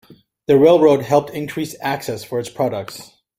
The railroad helped increase access for its products.